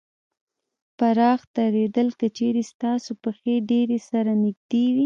پراخ درېدل : که چېرې ستاسې پښې ډېرې سره نږدې وي